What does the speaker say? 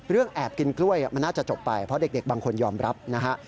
แอบกินกล้วยมันน่าจะจบไปเพราะเด็กบางคนยอมรับนะฮะ